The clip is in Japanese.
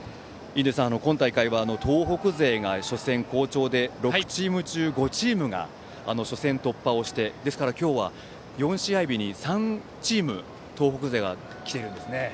今大会は、東北勢が初戦好調で６チーム中５チームが初戦突破をしてですから、今日は４試合に３チーム東北勢が来ているんですね。